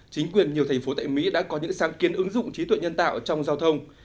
chính quyền nhiều thành phố tại mỹ đã có những sáng kiến ứng dụng trí tuệ nhân tạo trong giao thông